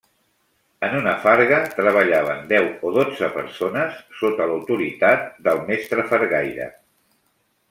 En una farga treballaven deu o dotze persones sota l’autoritat del mestre fargaire.